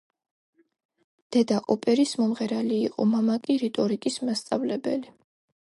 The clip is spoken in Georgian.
დედა ოპერის მომღერალი იყო მამა კი რიტორიკის მასწავლებელი.